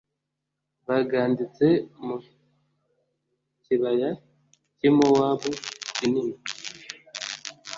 baganditse mu kibaya cy i Mowabu kinini